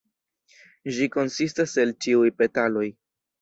Ĝi konsistas el ĉiuj petaloj.